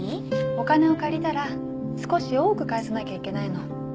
お金を借りたら少し多く返さなきゃいけないの。